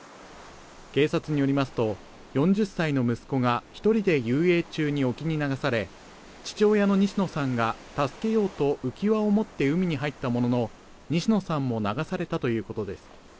警察によりますと、４０歳の息子が１人で遊泳中に沖に流され、父親の西野さんが助けようと浮き輪を持って海に入ったものの、西野さんも流されたということです。